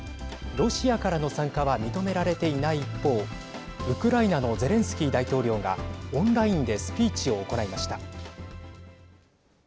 ロシアからの参加は認められていない一方ウクライナのゼレンスキー大統領がオンラインでスピーチを行いました。